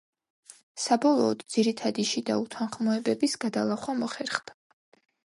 საბოლოოდ, ძირითადი შიდა უთანხმოებების გადალახვა მოხერხდა.